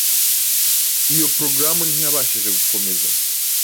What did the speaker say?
Iyo porogaramu ntiyabashije gukomeza